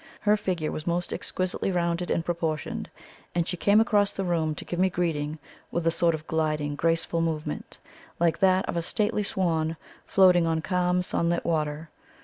Her figure was most exquisitely rounded and proportioned, and she came across the room to give me greeting with a sort of gliding graceful movement, like that of a stately swan floating on calm sunlit water.